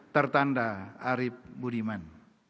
tertanda arief budiman